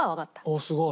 ああすごい。